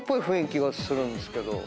雰囲気がするんですけど。